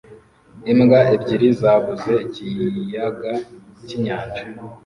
Imbwa ebyiri zabuze ikiyaga cy'inyanja